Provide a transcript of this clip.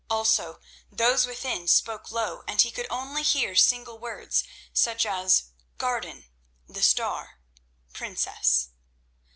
Also, those within spoke low, and he could only hear single words, such as "garden," "the star," "princess."